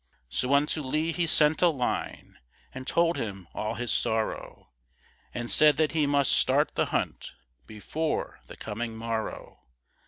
So unto Lee he sent a line, And told him all his sorrow, And said that he must start the hunt Before the coming morrow.